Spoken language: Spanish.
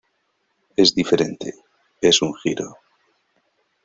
Es diferente, es un giro.